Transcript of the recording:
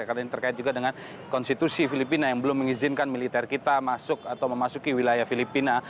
karena ini terkait juga dengan konstitusi filipina yang belum mengizinkan militer kita masuk atau memasuki wilayah filipina